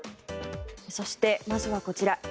そして、まずはこちら。